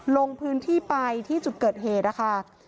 ลงพื้นที่ไปที่จุดเกิดเหตุนะคะ